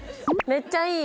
めっちゃいい！